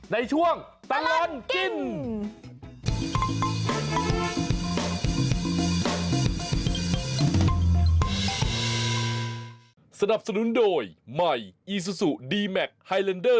ในช่วงตลอดกิน